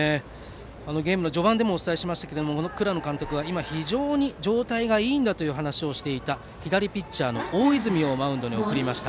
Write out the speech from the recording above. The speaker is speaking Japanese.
ゲームの序盤でもお伝えしましたが倉野監督は今非常に状態がいいんだという話をしていた左ピッチャーの大泉をマウンドに送りました。